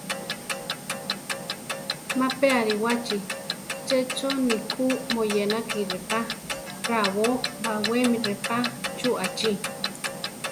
Ma pe aríwachi, checho ni ku moyénaki repá raábo, wabé mi repá chuʼachi.